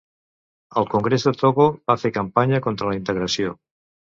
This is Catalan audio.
El Congrés de Togo va fer campanya contra la integració.